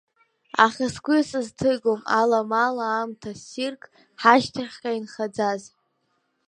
Аха сгәы исызҭыгом аламала аамҭа ссирк, ҳашьҭахьҟа инхаӡаз.